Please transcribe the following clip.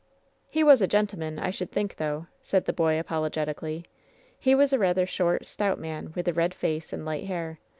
"He was a gentleman, I should think, though," said the boy, apologetically. "He was a rather short, stout man with a red face and light hair.